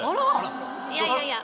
・いやいやいや。